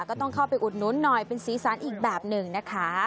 ก็ต้องเข้าไปอุดนุนหน่อยเป็นสีสันอีกแบบหนึ่งนะคะ